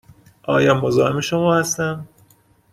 آیا مزاحم شما هستم؟